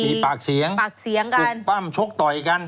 มีปากเสียงปากเสียงกันปั้มชกต่อยกัน